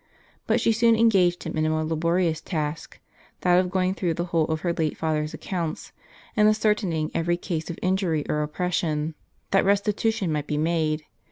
But she soon engaged him in a more laborious task, that of going through the whole of her late father's accounts, and ascertaining every case of injury or oppression, that restitution might be made.